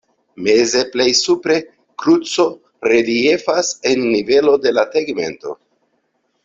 Meze plej supre kruco reliefas en nivelo de la tegmento.